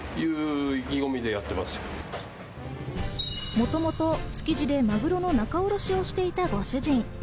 もともと築地でマグロの仲卸をしていたご主人。